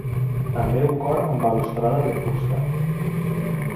També un cor amb balustrada de fusta.